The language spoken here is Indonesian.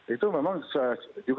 itu memang sejujurnya